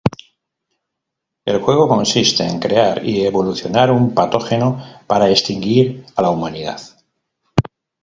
El juego consiste en crear y evolucionar un patógeno para extinguir a la humanidad.